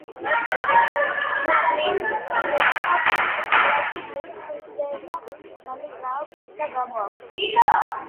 ერთსა კაცსა ბლისკინელსა ბლის კალათი ბლის ხიდზედა ბალი გააქვს და გამოაქვს.